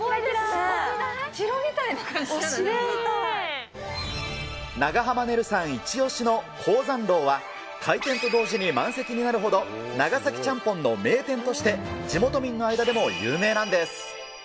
お城みたいな感じなんじゃな長濱ねるさんイチオシの江山楼は、開店と同時に満席になるほど、長崎ちゃんぽんの名店として、地元民の間でも有名なんです。